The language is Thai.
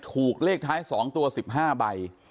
ถูกเลขท้าย๒ตัว๑๕ใบ